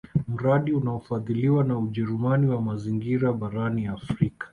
Mradi unaofadhiliwa na Ujerumani wa mazingira barani Afrika